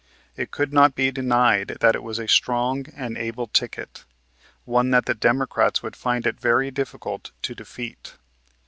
It could not be denied that it was a strong and able ticket, one that the Democrats would find it very difficult to defeat.